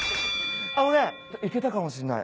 あのねいけたかもしれない。